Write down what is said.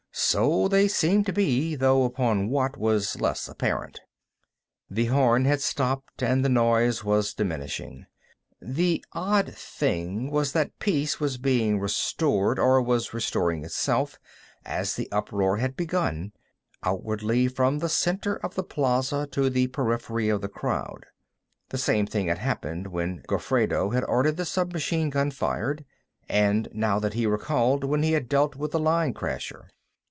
So they seemed to be, though upon what was less apparent. The horn had stopped, and the noise was diminishing. The odd thing was that peace was being restored, or was restoring itself, as the uproar had begun outwardly from the center of the plaza to the periphery of the crowd. The same thing had happened when Gofredo had ordered the submachine gun fired, and, now that he recalled, when he had dealt with the line crasher.